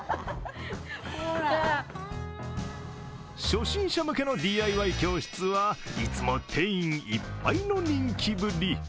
初心者向けのＤＩＹ教室はいつも定員いっぱいの人気ぶり。